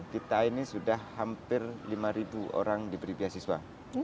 kita ini sudah hampir lima orang diberi beasiswa